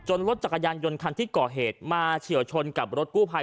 รถจักรยานยนต์คันที่ก่อเหตุมาเฉียวชนกับรถกู้ภัย